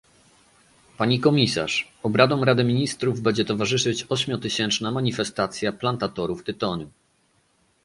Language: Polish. Pani komisarz, obradom rady ministrów będzie towarzyszyć ośmiotysięczna manifestacja plantatorów tytoniu